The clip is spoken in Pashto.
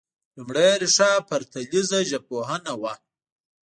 لومړۍ ريښه پرتلیره ژبپوهنه وه